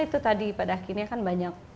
itu tadi pada akhirnya kan banyak